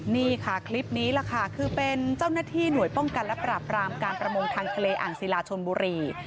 นี่ค่ะคลิปนี้แหละค่ะคือเป็นเจ้าหน้าที่หน่วยป้องกันและปราบรามการประมงทางทะเลอ่างศิลาชนบุรี